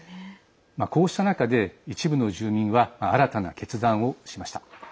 こうした中で一部の住民は新たな決断をしました。